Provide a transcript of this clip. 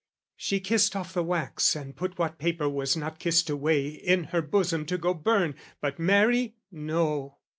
"She kissed off the wax, "And put what paper was not kissed away, "In her bosom to go burn: but merry, no!